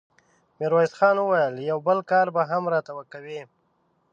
ميرويس خان وويل: يو بل کار به هم راته کوې!